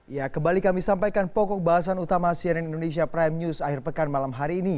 ya kembali kami sampaikan pokok bahasan utama cnn indonesia prime news akhir pekan malam hari ini